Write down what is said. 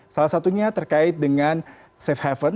salah satunya terkait dengan safe haven